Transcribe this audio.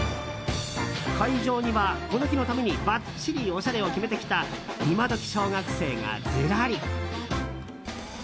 会場には、この日のためにばっちりおしゃれを決めてきたイマドキ小学生がずらり。